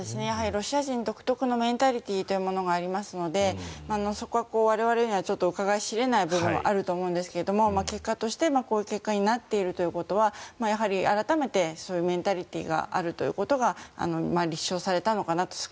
やはりロシア人独特のメンタリティーというものがありますのでそこは我々にはうかがい知れない部分があると思うんですがこういう結果になっているということはやはり改めてそういうメンタリティーがあるということが立証されたのかなと。